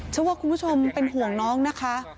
เชื่อว่าคุณผู้ชมเป็นห่วงน้องนะคะ